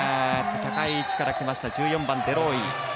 高い位置からきました１４番デローイ。